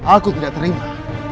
aku tidak terima